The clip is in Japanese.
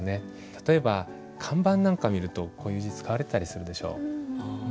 例えば看板なんか見るとこういう字使われてたりするでしょ？